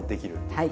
はい。